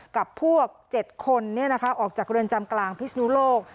กับพวกเจ็ดคนนี้นะคะออกจากเรือนจำกลางพิษนุโลก